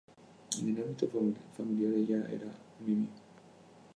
En el ámbito familiar ella era llamada "Mimí".